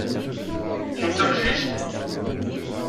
Kem d taqcict?